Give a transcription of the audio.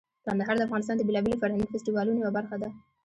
کندهار د افغانستان د بیلابیلو فرهنګي فستیوالونو یوه برخه ده.